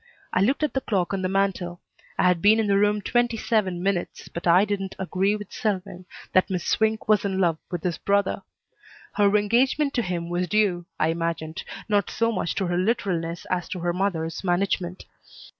I looked at the clock on the mantel. I had been in the room twenty seven minutes, but I didn't agree with Selwyn that Miss Swink was in love with his brother. Her engagement to him was due, I imagined, not so much to her literalness as to her mother's management.